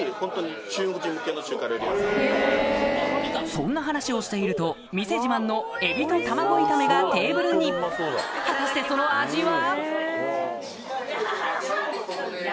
そんな話をしていると店自慢のエビと玉子炒めがテーブルに果たしてその味は？